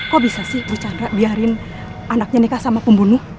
kok bisa sih ibu chandra biarin anaknya nikah sama pembunuh